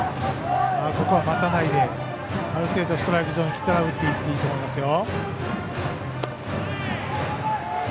ここは待たないである程度ストライクゾーンに来たら打っていっていいと思いますよ。